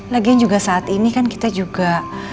lagian juga saat ini kan kita juga